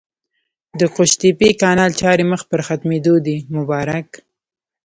د قوشتېپې کانال چارې مخ پر ختمېدو دي! مبارک